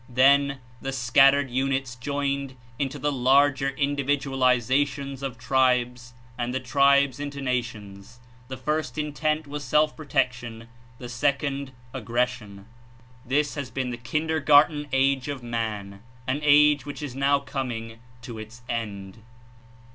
Then the scattered units joined into the larger individualizations of tribes and the tribes into nations; the first intent was self protection, the sec ond — aggression. This has been the kindergarten age of man, an age which is now coming to its end.